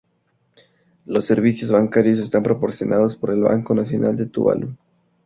Los servicios bancarios están proporcionados por el Banco Nacional de Tuvalu.